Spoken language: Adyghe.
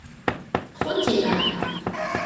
Txhu ti'a?